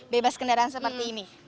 bebas kendaraan seperti ini